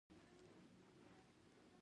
کاپري ته هم یو سر ورښکاره کړه.